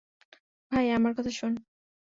ভাই, আমার কথা শোন।